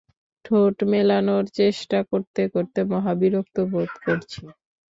ঠোঁট মেলানোর চেষ্টা করতে করতে মহা বিরক্ত বোধ করছি।